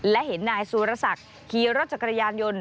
และเห็นนายสุรศักดิ์ขี่รถจักรยานยนต์